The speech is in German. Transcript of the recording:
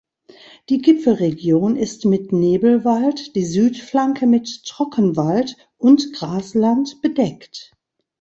Die Gipfelregion ist mit Nebelwald, die Südflanke mit Trockenwald und Grasland bedeckt.